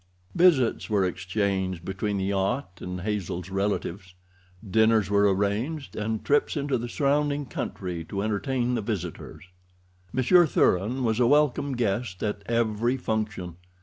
Visits were exchanged between the yacht and Hazel's relatives. Dinners were arranged, and trips into the surrounding country to entertain the visitors. Monsieur Thuran was a welcome guest at every function.